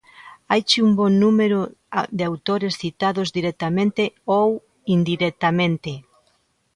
Haiche un bo número de autores citados directamente ou indirectamente.